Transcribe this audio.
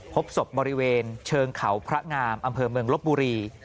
พบศพบริเวณเชิงเขาพระงามอำเภอเมืองลบบุรี